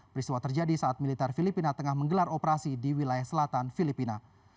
peristiwa terjadi saat militer filipina tengah menggelar operasi di wilayah selatan filipina